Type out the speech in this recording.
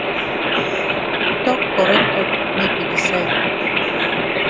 Tok correct tok make we decide.